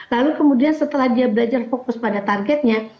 lalu kemudian setelah dia belajar fokus pada targetnya